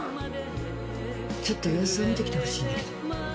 ちょっと様子を見てきてほしいの。